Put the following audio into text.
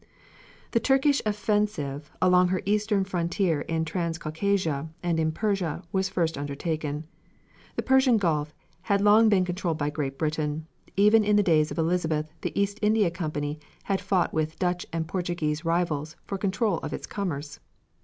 The Turkish offensive along her eastern frontier in Transcaucasia and in Persia was first undertaken. The Persian Gulf had long been controlled by Great Britain; even in the days of Elizabeth the East India Company had fought with Dutch and Portuguese rivals for control of its commerce.